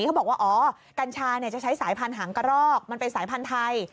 เขาบอกว่าอ๋อกัญชาจะใช้สายพันธังกระรอกมันเป็นสายพันธุ์ไทย